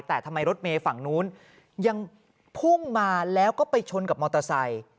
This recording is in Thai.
แต่ทำไมรถเมย์ฝั่งนู้นยังพุ่งมาแล้วก็ไปชนกับมอเตอร์ไซค์